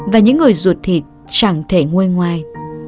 và những người ruột thịt chẳng thể nguôi ngoài